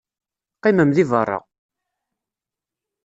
Qqimem deg beṛṛa!